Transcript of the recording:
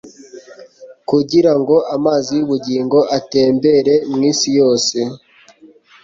kugira ngo amazi y'ubugingo atembere mu isi yose.